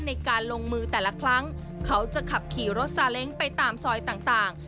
ในการลงมือแต่ละครั้งเขาจะขับขี่รถซาเล้งไปตามซอยต่าง